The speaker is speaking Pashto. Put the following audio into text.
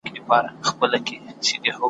ځئ چي ځو همدا مو وار دی وخت د کار دی روانیږو `